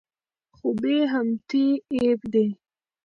خو بې همتي عیب دی.